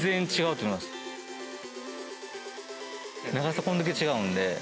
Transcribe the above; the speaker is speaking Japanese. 長さこんだけ違うんで。